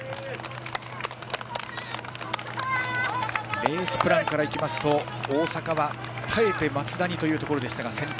レースプランからいきますと大阪は、耐えて松田にというところでしたが先頭。